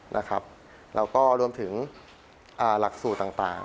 แล้วก็รวมถึงหลักสูตรต่าง